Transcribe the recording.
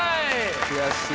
悔しい。